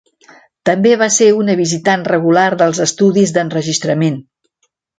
També va ser una visitant regular dels estudis d'enregistrament.